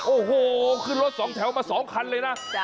โอ้โหขึ้นรถสองแถวมา๒คันเลยนะ